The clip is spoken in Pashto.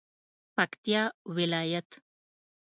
پکتیا ولایت